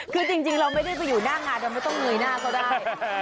คือจริงเราไม่ได้ไปอยู่หน้างานเราไม่ต้องเงยหน้าเขาได้